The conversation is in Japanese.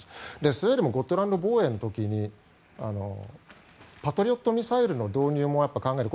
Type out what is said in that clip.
スウェーデンもゴットランド防衛の時にパトリオットミサイルの導入も考える。